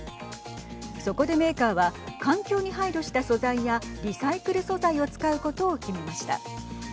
そこでメーカーは環境に配慮した素材やリサイクル素材を使うことを決めました。